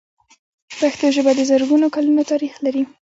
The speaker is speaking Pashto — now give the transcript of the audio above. پښتو ژبه د زرګونو کلونو تاریخ لري.